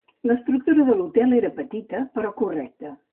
L'estructura de l'hotel era petita, però correcta.